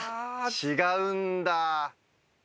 違うんだ。